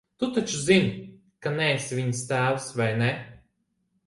Tu taču zini, ka neesi viņas tēvs, vai ne?